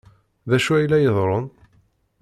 D acu ay la iḍerrun?